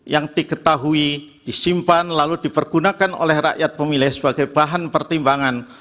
yang diketahui disimpan lalu dipergunakan oleh rakyat pemilih sebagai bahan pertimbangan